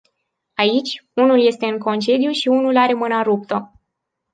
Aici, unul este în concediu și unul are mâna ruptă.